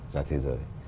ra thế giới